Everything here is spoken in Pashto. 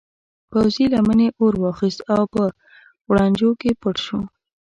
پوځي لمنې اور واخیست او په غوړنجو کې پټ شو.